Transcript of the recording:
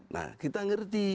nah kita mengerti